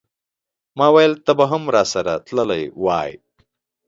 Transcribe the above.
ماویل ته به هم راسره تللی وای.